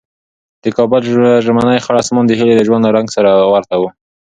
د کابل ژمنی خړ اسمان د هیلې د ژوند له رنګ سره ورته و.